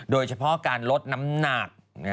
โดยเฉพาะการลดน้ำหนัก